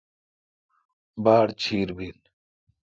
باڑ چیر بل۔